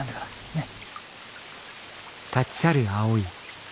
ねっ。